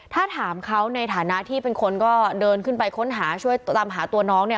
ถ้าถามเขาในฐานะที่เป็นคนก็เดินขึ้นไปค้นหาช่วยตามหาตัวน้องเนี่ย